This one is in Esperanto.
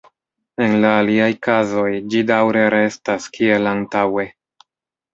En la aliaj kazoj ĝi daŭre restas kiel antaŭe.